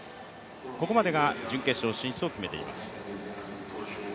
ここまでが準決勝進出を決めています。